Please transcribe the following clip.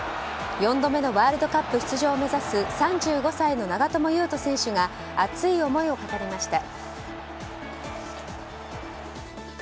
４度目のワールドカップ出場を目指す３５歳の長友佑都選手が熱い思いを語りました。